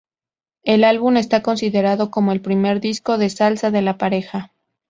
El álbum está considerado como el primer disco de salsa de la pareja.